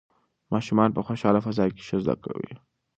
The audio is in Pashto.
ماشومان په خوشحاله فضا کې ښه زده کوي.